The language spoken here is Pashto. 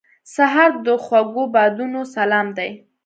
سهار د خوږو بادونو سلام دی.